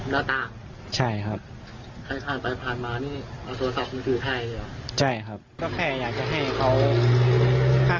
นะต่างใช่ครับผ่านมาใช่ครับเคยอยากให้